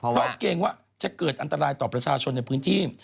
เพราะเกรงว่าจะเกิดอันตรายต่อประชาชนในพื้นที่